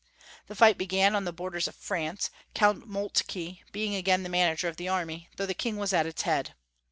The fight began on the borders of France, Count Moltke being again the manager of the army, though the King wias at its head.